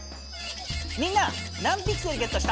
みんな何ピクセルゲットした？